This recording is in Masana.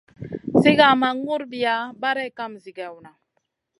Sigar ma ŋurbiya barey kam zigèwna.